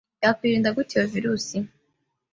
Yakwirindwa gute iyo virus